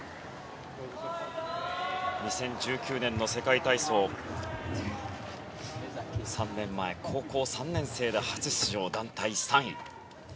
２０１９年の世界体操３年前、高校３年生で初出場団体３位。